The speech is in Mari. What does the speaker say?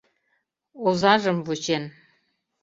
Озажым вучен.